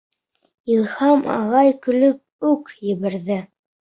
Илһам ағай көлөп үк ебәрҙе: